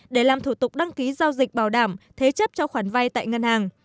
để làm thủ tục đăng ký giao dịch bảo đảm thế chấp cho khoản vay tại ngân hàng